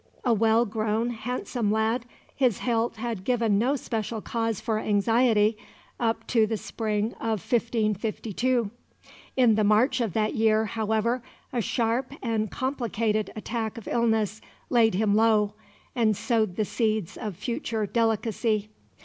A well grown, handsome lad, his health had given no special cause for anxiety up to the spring of 1552. In the March of that year, however, a sharp and complicated attack of illness laid him low and sowed the seeds of future delicacy.